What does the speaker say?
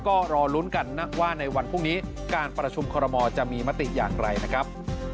ก็รอลุ้นกันว่าในวันพรุ่งนี้การประชุมคอรมอลจะมีมติอย่างไรนะครับ